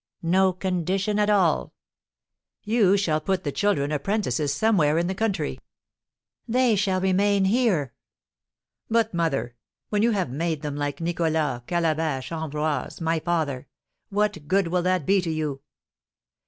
"No condition at all!" "You shall put the children apprentices somewhere in the country." "They shall remain here!" "But, mother, when you have made them like Nicholas, Calabash, Ambroise, my father, what good will that be to you?"